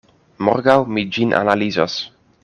Morgaŭ mi ĝin analizos.